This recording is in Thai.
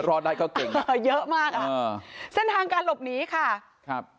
รอดได้ก็เก่งเออเยอะมากอ่ะอ่าเส้นทางการหลบหนีค่ะครับ